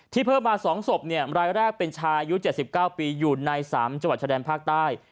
เพิ่มมา๒ศพรายแรกเป็นชายอายุ๗๙ปีอยู่ใน๓จังหวัดชายแดนภาคใต้